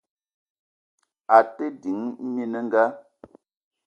A te ding mininga.